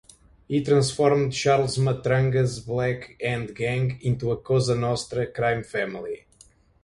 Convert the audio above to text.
He transformed Charles Matranga's Black Hand gang into a Cosa Nostra crime family.